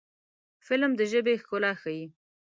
فلم د ژبې ښکلا ښيي